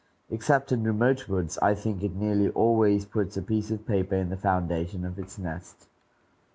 Except in remote woods, I think it nearly always puts a piece of paper in the foundation of its nest.